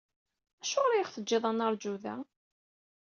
Acuɣer i aɣ-teǧǧiḍ ad neṛju da?